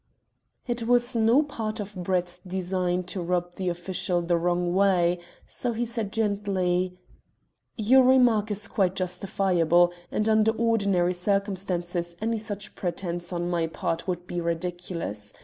It was no part of Brett's design to rub the official the wrong way, so he said gently "Your remark is quite justifiable, and under ordinary circumstances any such pretence on my part would be ridiculous.